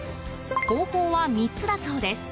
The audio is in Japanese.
方法は、３つだそうです。